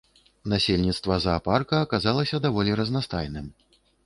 Насельніцтва заапарка аказалася даволі разнастайным.